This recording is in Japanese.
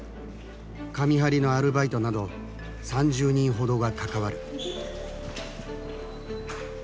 紙貼りのアルバイトなど３０人ほどが関わる。